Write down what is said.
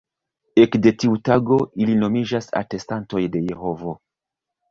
Ekde tiu tago, ili nomiĝas "Atestantoj de Jehovo".